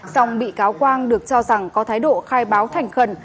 song bị cáo quang được cho rằng có thái độ khai báo thành khẩn